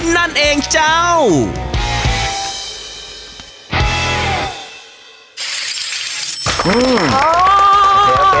นั่นเองเจ้า